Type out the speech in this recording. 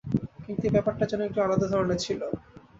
কিন্তু এই ব্যাপারটা যেন একটু আলাদা ধরণের ছিল।